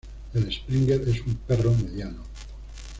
El Springer es un perro mediano.